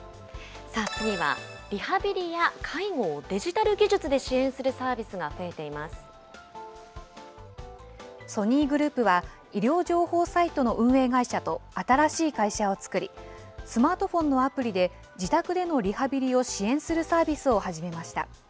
次はリハビリや介護をデジタル技術で支援するサービスが増えソニーグループは、医療情報サイトの運営会社と新しい会社を作り、スマートフォンのアプリで、自宅でのリハビリを支援するサービスを始めました。